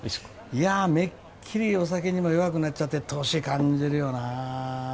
いやめっきりお酒にも弱くなっちゃって年感じるよな